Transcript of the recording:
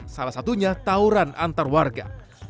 salah satunya tauran antar warga